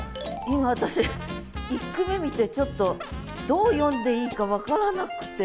今私１句目見てちょっとどう読んでいいか分からなくて。